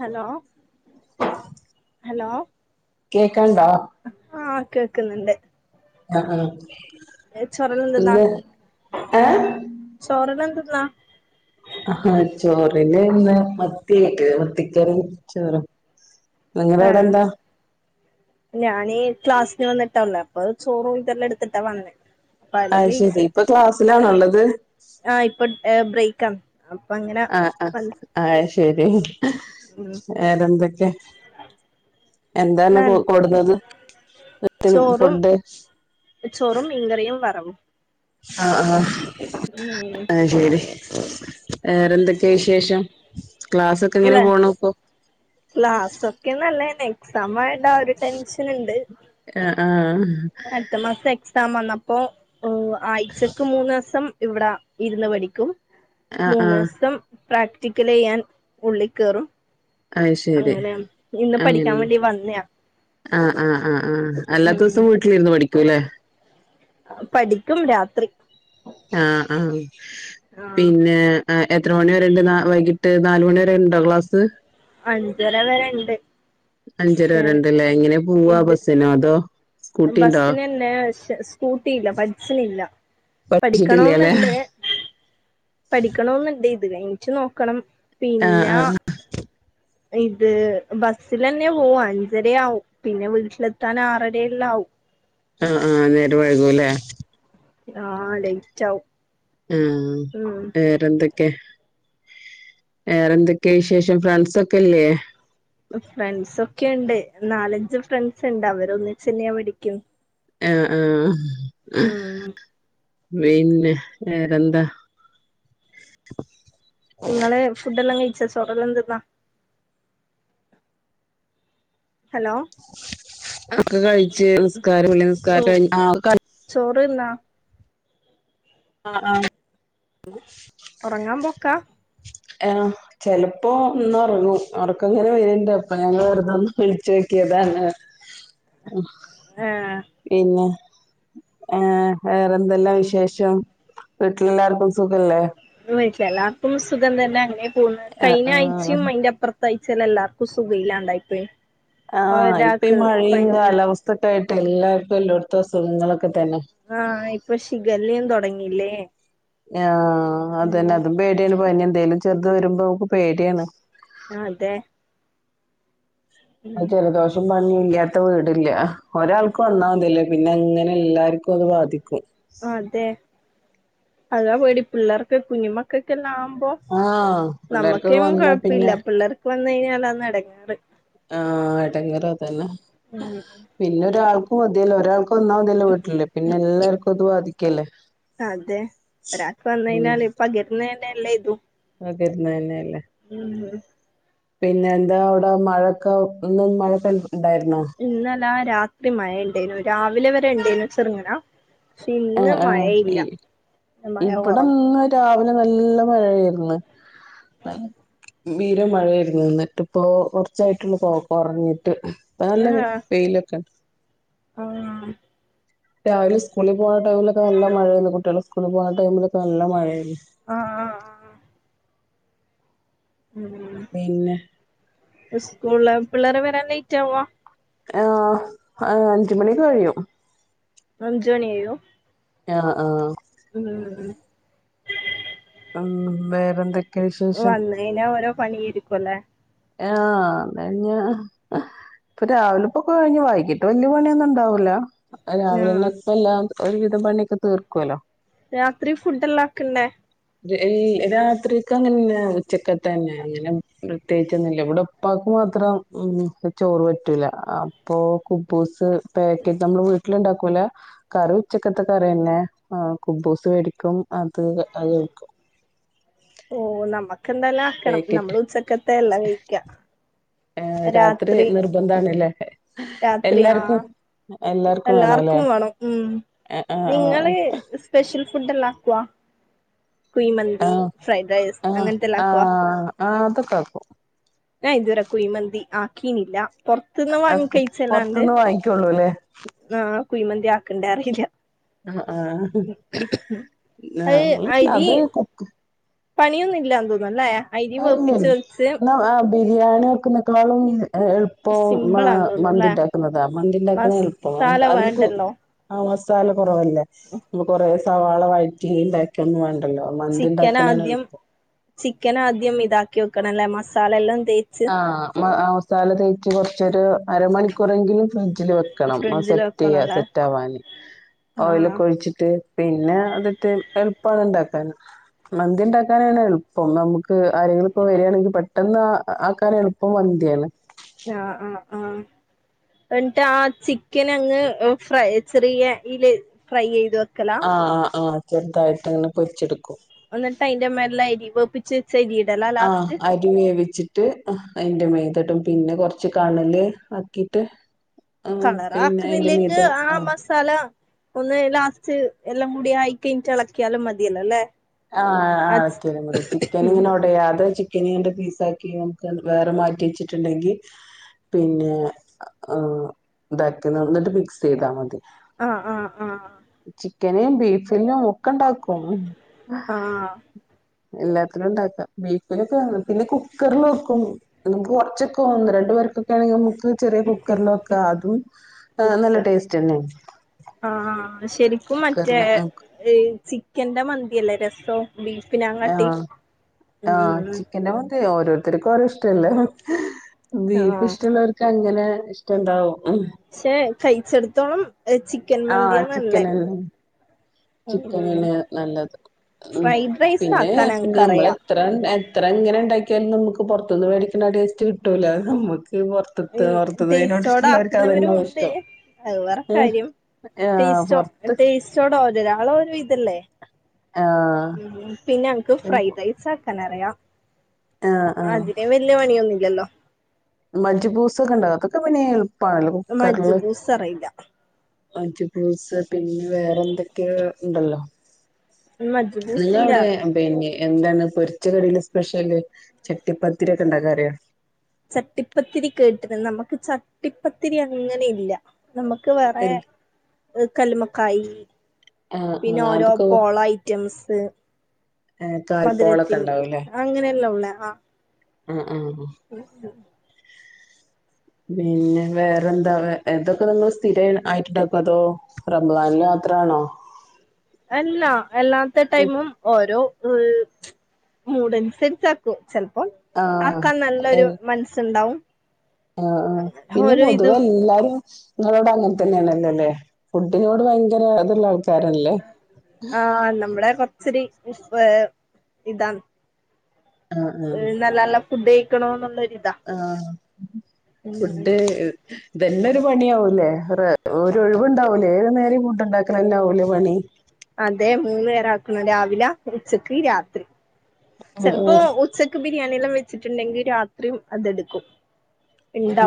Hello hello കേക്കാൺണ്ടോ ക്കുന്നുണ്ട് ആഹ്‌ ആഹ്‌ ചോറെല്ലാം തിന്നാ ഏ ചോറെല്ലാം തി ന്നാ ആഹ് ചോറിനിന്ന് മത്തി കിട്ടിത് മത്തിക്കറിയും ചോറും നിങ്ങള അവിടെ ആഹ് എന്താ ഞാനീ ക്ലാസ്സിന് വന്നി കിട്ടന്നൊള്ളെ അപ്പ അത് ചോറും ഇതെല്ലാ എടുത്തിട്ടാ വന്നേ അയ്ശെരി ഇപ്പൊ ക്ലാസ് ഇതിലാണള്ളത് ആ ഇപ്പൊ ബ്രേ ക്കം ആഹ് ആ ആഹ് ശരി ഉം വേറെന്തൊക്കെ എന്താണ് ന്നാണ് കൊടുന്നത് [inaudible] ചോറും ഫുഡ് ചോറും മീൻ കറിയും വറവും ആഹ് ആഹ് ഉം അയ് ശെരി വേറെ ന്തക്കെയാ വിശേഷം ഉം [inaudible] [unintelligible] ക്ലാസ്സൊക്കെ നലേ എക്സമായൊണ്ട് ആ ഒരു ടെൻഷൻ ഒണ്ട് ആ ആ അടുത്ത മാസം എക് സാം വന്നപ്പോ ഓ ആഴ്ചക്ക് മൂന്നാസം ഇവിട ഇരുന്ന് പഠിക്കും ആ ആ മൂന്ന്സം പ്രാക്ടിക്കല് ചെയ്യാൻ ഉള്ളിക്കേറും ആ ശരി അങ്ങനെ ഇന്ന് പഠിക്കാൻ അങ്ങനെയാണ് വേണ്ടി വന്നയാ ആ ആഹ ആ എല്ലാത്ത ഉം ദിവസം വീട്ടിലിരുന്നു പഠിക്കൂല്ലെ പഠിക്കും രാത്രി ആ ആ ആഹ് പിന്നെ എത്ര മണി വരെണ്ട് വൈകിട്ട് ട്ട് നാലുമണി വരെ ഉണ്ടോ ക്ലാസ് അഞ്ചര വരെണ്ട് അഞ്ചരരണ്ടല്ലേ എങ്ങനെ പോവാ ബസ്സിനോ അതോ സ്കൂട്ടി ഉണ്ടോ ബസ്സിന് തന്നെ സ്കൂട്ടി ഇല്ല പഠസിനില്ല പഠിച്ചിട്ടില്ലല്ലെ പഠിക്കണോന്ന്ണ്ട് പഠിക്കണോന്നുണ്ട് ഇത് കയിഞ്ഞിറ്റ് നോക്കണം ആഹ് പിന്ന ആഹ് ഇത് ബസ്സൽന്നെ പോവും അഞ്ചരയാവും പിന്നെ വീട്ടിലെത്താൻ ആറരല്ല ആകും ആ ആഹ് നേര വൈകൂല്ലേ ആ ലയിറ്റാവും ആ വേറെന്തൊ ക്കെ വേറെന്തൊക്കെയ വിശേഷം ഫ്രണ്ട്സ ഒക്കെല്ലേേ ഫ്രണ്ട്സൊക്കെ ഉണ്ട് നാലഞ്ച് ഫ്രണ്ട്സ്ണ്ട് അവര ഒന്നിച്ചെന്നെയാ പടിക്കു ആ ആ [unintelligible] പിന്നെ വറെന്താ നിങ്ങള് ഫുഡ് എല്ലാം കഴിച്ച തുൊടലെന്തെന്നാ ഒക്കെ കഴിച്ച് നമസ്കാര ചോ നമസ്കാരം കഴി ചോറ് തിന്നാ ആ ആ ഉറങ്ങാൻ പൊക്കാ ആ ചെലപ്പോ ഒന്ന് ഉറങ്ങു ഉർക്കങ്ങനെ വരുണ്ട് അപ്പൊ ഞങ്ങൾ വെറുതൊന്ന് വിളിച്ചു വെക്കിയതാണ് ഏഹ് പിന്നെ ആഏ വേറെന്തെല്ലാം വിശേഷം വീട്ടിലെ എല്ലാർക്കും സുഖല്ലേ വീട്ടിൽ എല്ലാർക്കും സുഖം തന്നെ അങ്ങ പോന്ന് ആഹ് ആഹ് കഴഞ്ഞാച്ചയും അയിന്റപ്ര തയ്ച്ചാല എല്ലാർക്കും സുഖില്ലാണ്ടായിപ്പോയി ആഹ ഇപ്പ ഈ മഴയും കാലാവസ്ഥൊക്കെ ആയിട്ട് എല്ലാവർക്കും എല്ലോടത്തും അസുഖങ്ങളക്ക ആ ഇപ്പൊ ശിഖല്യും തുടങ്ങി ല്ലേ ആ ആ അതന്നെ അതും പേട്യാണ് [unintelligible] എന്തേലും ചെറുത് വരുമ്പോ ഓക്ക് പേടിയാണ് ആ അതെ അത് ഉം ജലദോഷം പണി ഇല്ലാത്ത വീടില്ല ഒരാൾക്കും വന്നാമതിലേ പിന്നെ അങ്ങനെ എല്ലാർക്കും അത് ബാധിക്ക ആ അതെ അതാ പേടി പിള്ളേർക്ക് കുഞ്ഞ് മക്കൾക്കെല്ലാം ആഹ് പിള്ളേർക്കൊക്കെ വന്നാ കൊഴപ്പില്ല പിന്നെ പിള്ളേർക്ക് വന്ന് കഴിഞ്ഞാലാന്ന് എടങ്ങാറ് ആഹ് എടങ്ങേറ് അതെന്നെ പിന്നെ ഒരാൾക്കും മതിയല്ല ഒരാൾ വന്നാമതില്ലൊ വീട്ടില് പിന്നെ എല്ലാവർക്കും അത് ബാധിക്കും ക്കെല്ലെ അതെ രാത്രി വന്നാല് പകരുന്ന എല്ല ഇതും തന്നെയല്ലെ ഉം പിന്നെ എന്താ അവിടെ മഴൊക്കെ ഒ മഴക്കെ ഇന്നലാ രാത് ത്രി മഴണ്ടേനു രാവിലെ വരെ ഇണ്ടേനു ചെറുങ്ങനാ ആ ആ മഴ കൊറവ് ഇവിടെന്ന് രാവിലെ നല്ല മഴയായിരുന്നു ത ബീരമഴായിയിരുന്നു എന്നിട്ട് ഇപ്പോ കുറച്ചായിട്ടുള്ളൂ പോ കൊറഞ്ഞി നല്ല ആഹ് വെയിലൊക്കെണ്ട് ആഹ് രാവിലെ സ്‌കൂള് പോയ ടൈമിലൊക്കെ നല്ല മഴയാരുന്നു കുട്ട്യാള് സ്കൂിൽ പോയ ടൈമൊക്കെ നല്ല മഴയായിരുന്നു ആഹ് ആഹ് ആഹ് ഉം പിന്നെ സ്കൂള് പിള്ളേരെ വരാ ലേറ്റാവോ ആ അഞ്ചുമണിക്ക് കഴിയും അഞ്ച് മണിയോ ആഹ് ആഹ് ഉം ഉം മേ എന്തൊക്കയാ വിശേഷം? പണിയേയിരിക്കും അല്ലേ ആഹ് കഴിഞ്ഞ ഇപ്പൊ രാവിലെ ഇപ്പോ കഴിഞ്ഞ് വൈകിട്ട് വെല്ല്യ പണിയൊന്നും ഇണ്ടാവൂല അ ആഹ് രാവിനതല്ലാം ഒരു വിവിധം പണിയൊക്കെ തീർക്കല്ലോ രാത്രി ഫുഡ്ല്ലാക്കണ്ടേ ഈ രാത്രിക്ക് അങ്ങനെ ഉച്ചക്ക തന്നെ അങ്ങനെ പ്രത്യേകിച്ചൊന്നുമില്ല ഇവിടെ ഒപ്പക്ക് മാത്രം ഉ ചോറ് വറ്റും അപ്പോൊ കുബ്ബൂസ് പാക്കേജ് നമ്മള് വീട്ടില ഉണ്ടാക്കൂല കറി ഉച്ചക്കത്തെ കറി തന്നെ കുബൂസ് മേടിക്കും അത് അത് നിക്കും ഓ നമ്മക്ക് എന്തല്ല ആക്കണം നമ്മൾ ഉച്ചക്കത്തെ എല്ലാം കഴക്ക ആഏ രാത്രി നിർബന്ധണല്ലേ രാത്രി ആ എല്ലാർക്കും എല്ലാർക്കും വേണം ഉം ആഹ് ആഹ് നിങ്ങള് സ്പെഷ്യൽ ഫുഡ് എല്ലാം ആക്കവാ കുയ്മന്തി ആഹ് ഫ്രൈഡ് റൈസ് ആഹ് അങ്ങനത്തെല്ലാം ആാക്കുവ ആഹ് ആഹ് അക്കെകേക്കും ഇതുവരെ കുയി്മന്തി ആക്കീനില്ല പൊറത്തുന്ന് വാങ്ങി കഴിച്ചല്ലാണ്ട് പുറത്തന്ന് വാങ്ങിക്കള്ളൂ അല്ലേ കുയ്മന്തി ആക്കണ്ട അറിയില്ല ആ ആ നമ്മള് അത് കൊക്ക് പണിയൊന്നുംില്ലല്ലാന്ന് തോന്നും അല്ലേ [unintelligible] ബിരിയാണി ഒക്കെ നിൽക്കോളും എളുപ്പം സിമ്പിളാന്ന് മന്തി തോന്നുന്നല്ലേ ഉണ്ടാക്കുന്നതാ മന്തി ണ്ടാക്കുന്ന എളുപ്പം മസാല അതിലപ്പോ വേണ്ടല്ലോ ആഹ് ചം കുറവല്ല ന കുറ സവാള വഴറ്റ ഉണ്ടാക്കിയ വ ചിക്കൻ ആദ്യം ചിക്കൻ ആദ്യ ഇതാക്കി വെക്കണംല്ല മസാലെല്ലാം ആഹ ല തേക്ക് കൊറച്ചൊരു അരമണിക്കൂറെങ്കിലും ഫ്രിഡ്ജിൽ വെക്കണം ഫ്രിഡ്ജിൽ സെറ്റ് ചെയ്യ വെക്കണല്ലേ സെറ്റ് ആവാന് ആഹ് ഓയിലൊക്കെ ആഹ് ഒഴിച്ചിട്ട് പിന്നെ അതിട്ട് എളുപ്പമാണ് ഉണ്ടാക്കാൻ മന്തി ഉണ്ടാക്കാനാണ് എളുപ്പം നമുക്ക് ആരെങ്കിലും ഇപ്പോ വരാണെങ്കിൽ പെട്ടെന്ന് ആക്കാര്െ എളുപ്പം മന്ദി ആണ് ആഹ ആഹ് ആഹ എന്നിട്ട് ആ ചിക്കൻ അങ്ങ് ഫ്രൈ ചെറിയ ഇല് ഫ്രൈ ചെയ ആഹ ആ് ആഹ ചെറതായിട്ട് അങ്ങനെ പൊരി ടുക്കും എന്നിട്ട് അയിന്റെ [unintelligible] ആഹ് [unintelligible] വെച്ചിട്ട് റ്റ് അയിന്റെ മേതെടും പിന്നെ കൊറച്ച് കണല് ആക്കീട്ട് കളറാക്ക്ന്നില്ലെങ്ക് ആ ആഹ് മസാല ഒന്ന് ലാസ്റ്റ് എല്ലം കൂടി ആയി കയിഞ്ഞിട്ട് എളക്കിയാലും മതിയല്ലോ ല്ലേ ആ ആ എളക്കിയാലും മതി ചിക്കൻ ഇങ്ങനെ ഒടയാതെ ചിക്ക് [unintelligible] ന്റെ പീസാക്കി നമുക്ക് വേറെ മാറ്റി വെച്ചിട്ടുണ്ടെങ്കി പിന്നെ അ അ ഇതാക്കി എന്നിട്ട് മിക്സ് ചെയ്താ മതി ആഹ് ആഹ് ആഹ് ചിക്കന് ബീഫ് [unintelligible] [unintelligible] ഇണ്ടാക്കും. ആഹ് എല്ലാത്തിലും ഉണ്ടാക്കാം. ബീഫിലൊക്കെ പിന്നെ കുക്കറിൽ വെക്കും നമുക്ക് കൊറച്ചോക്കെ ഒന്ന് രണ്ടു പേർക്കൊക്കെ ആണെങ്കി നമ്മക്ക് [unintelligible] ചെറിയ കുക്കറിലൊക്കെ അതും നല്ല കുക്ക് ടേസ്റ്റ് തന്നെ. ആഹ് ശരിക്കും മറ്റേ ഈ ചി എന്താ മന്തിയല്ലേ രസോ ആഹ് ആഹ് ഉം ചിക്കന്റെ [unintelligible] ഓരോരുത്തർക്ക് ഓരോ ഇഷ്ടല്ലേ ബീഫ് ആഹ് ഇഷ്ടമുള്ളവർക്ക് അങ്ങനെ. ഇഷ്ടം ഇണ്ടാവും ശേ [unintelligible] [unintelligible] ചിക്കൻ മന്തിയാ നല്ലേ ഉം ചിക്കനല്ലേ നല്ലത് ഉം ഫ്രൈഡ് റൈസ് പിന്നെ ആക്കാൻ ഇനി നമ്മള് ഞങ്ങക്കറിയാം എത്ര [unintelligible] ഇത്ര എങ്ങനെ ഉണ്ടാക്കിയാലും നമുക്ക് പൊറത്തുന്ന് മേടിക്കണ ടേസ്റ്റ് കിട്ടൂല നമ്മക്ക്. ടേസ്റ്റോട ആക്കുന്നവരും അതന്നാവും ഉണ്ട് ഇഷ്ടം അത് വേറെ ഏഹ് കാര്യം ആഹ് ടേസ്റ്റോ പൊറത്ത് തേസ്റ്റോടെ [unintelligible] ഇതല്ലേ ആഹ് ഉ പിന്നെ ഞങ്ങക്ക് പിന്നെ ഫ്രൈഡ് റൈസ് കനറയ ആഹ് അതിന് വല്ല്യ [unintelligible] ല്ലോ മജ്ജി പൂസൊക്കെ ഉണ്ടാഉം. അതൊക്കെ പിന്നെ പാണല്ലോ കുക്കർല് മജ്ബൂസ് അറിയില്ല അഞ്ചു പൂസ് പിന്നെ വേറെ എന്തൊക്കെയ ഉണ്ടല്ലോ മജ്ബൂസിന്റെ നിങ്ങളവിടെ അറിയാം പിന്നെ എന്താണ് പൊരിച്ച കറില് സ്പെഷ്യല് ചട്ടിപ്പത്തിരിയൊക്കെണ്ടാക്കാറിയോ ചട്ടിപ്പത്തിരി കേട്ട്ണ് നമുക്ക് ചട്ടിപ്പത്തിരി അങ്ങനെ ഇല്ല നമുക്ക് വേറെ കല്ലുമക്കായി ആഹ് പിന്നെ ആഹ് ഓരോ പോള ഐറ്റംസ് പ്പേം ഏ കാൽപോളൊക്കെണ്ടാവൂല്ലേ അങ്ങനെയല്ല ഉള്ള ആ ആ [unintelligible] പിന്നെ വേറെന്താ എതൊക്കെ നിങ്ങൾ സ്ഥിര ആയിട്ടുണ്ടാക്കോ അതോ റമ്ദാനിൽ മാത്രാണോ അല്ലാ എല്ലാത്ത ടൈമും ഓരോ ദുൾ മൂടനുസരിച്ചാക്കും ചെൽപ്പോ ആക്കാൻ നല്ലൊരു മനസ്സുണ്ടാവും ആ ആ പിന്നെ ഓരോ പൊതുവെ ഇതും എല്ലാരും നിങ്ങളോട് അങ്ങനെ തന്നെയണല്ലല്ലേ ഫുഡിനോട് ഭയങ്കര ഇത്ള്ള ആൾ ആ നമ്മടെ കൊറച്ചടി ഇപ്പൊ ഇതാണ് ആഹ് ഇന്നല്ലല്ലം ഫുഡ് കഴിക്കണോന്നൊള്ള ആ ഫുഡ് ഉം ഇതന്നെ ഒരു പണിയാവൂലേ ഒറെ ഒരു ഒഴിവുണ്ടാവൂലേ ഏത് നേരം ഫുഡുണ്ടാക്കലന്നാവൂലേ പണി അതെ മൂന്ന് നേരാക്കണം രാവില ഉച്ചക്ക് രാത്രി ചെൽപ്പോ ഉച്ചക്ക് ബിരിയാണിയെല്ലാം വെച്ചിട്ടുണ്ടെങ്കിൽ രാത്രിയും അതെടുക്കും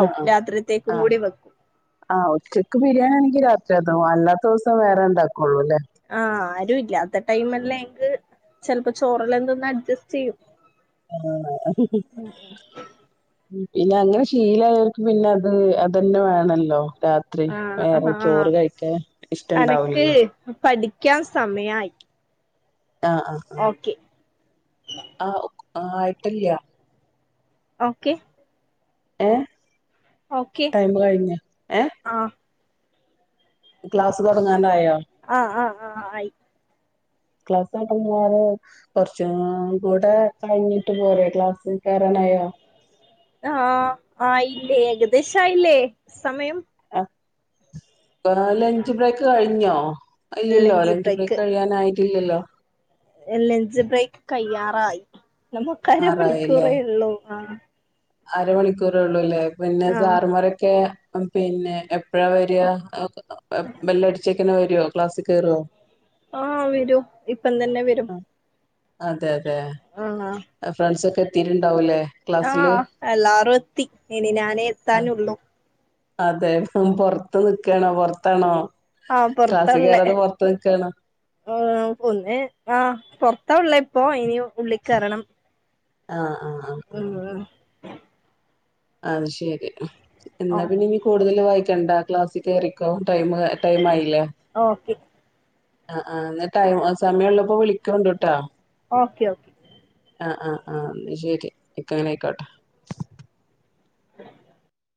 ആ ആ രാത്രിത്തേക്കും കൂടി വെക്കും ആ ആ ഉച്ചക്ക് ബിരിയാണി ആണെങ്കി രാ ചെത അല്ലാത്തുസം വേറെ ഉണ്ടാക്കുള്ളൂല്ലേ ആ ആരു ഇല്ലാത്ത ടൈമിലല്ലെങ്കിൽ ചെലപ്പോ ചോറെല്ലാം തിന്ന് അഡ്ജസ്റ്റ് ചെയ്യും ആ മ് പിന്നെ അങ്ങനെ ശീലായവർക്ക് പിന്നെ അത് അതന്നെ വേണല്ലോ രാത്രി ആഹ് ആഹ് വേറെ ആഹ് ചോറ് കഴിക്കാൻ ഇഷ്ട്ടൊണ്ടാവില്ലല്ലോ ക്കാൻ സമയായി ആ ആ ആ ഓക്കെ ആ ആയിട്ടില്ല ഓക്കെ ഏ ഓക്കെ ടൈമ് കഴിഞ്ഞു ഏ ആഹ് ക്ലാസ് തുടങ്ങാൻ ആഹ് ആഹ് ആഹ് ആയി ക്ലാസ് നടന്നക്കാറ് കുറച്ചും കൂടെ കഴിഞ്ഞിട്ട് പോരെ ക്ലാസ്സ് കയറാനായോ ആഹ ആയില്ലേ ഏകദേശം ആയില്ലേ സമയം ലഞ്ച് ബ്രേക്ക് കഴിഞ്ഞോ ഇല്ലല്ലോ ലഞ്ച് ബ്രേക്ക് കഴിയാനായി ഇല്ലലോ ലഞ്ച് ബ്രേക്ക് കയ്യാറായി നമുക്ക് ആറായില്ലേ അരമണിക്കൂറേ ഉള്ളൂ ആ അരമണിക്കൂറേ ഉള്ളൂ അല്ലേ പിന്നെ ആഹ് സാറമാരൊക്കെ പിന്നെ എപ്പഴാ വരിക വെല്ല അടിച്ചക്കനെ വരുയോ. ക്ലാസ്സിൽ കേയറുവോ ആഹ് വരൂ ഇപ്പം തന്നെ വരും അതെ അതെ യെ ആഹ് ആ ഫ്രണ്ട്‌സ് ഒക്കെ തീരു ഉണ്ടാവൂല്ലേ ആഹ് എല്ലാരും എത്തി ഇനി ഞാനേ എത്താനുള്ളു അതെ പുറത്ത് നിൽക്കണോ പുറത്താണോ ആഹ് പുറത്താ ഉള്ളേ ആ ഒന്നെ ആഹ പുറത്താ ഉള്ളേ അപ്പോ ഇനി ഉള്ളില്ക്കറണം ആഹ മം മം. അ ശെരി ഓ എന്നാ പിന്നെ ഇനി കൂടുതൽ വായിക്ക നിൽക്കണ്ടാ ക്ലാസിൽ കേറിക്കോ ടൈം ടൈം ആയില്ല ഓക്കെ ആ ആ എന്ന ടൈ സമയമുള്ളപ്പോ വിളിക്കണ്ട് ട്ടോ ഓക്കെ ഓക്കെ ആഹ് ആഹ് ആഹ് എന്ന ശരി ഇക്ക അങ്ങനെ ആയിക്കോട്ടെ ഉം